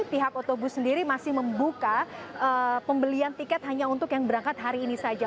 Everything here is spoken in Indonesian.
pihak otobus sendiri masih membuka pembelian tiket hanya untuk yang berangkat hari ini saja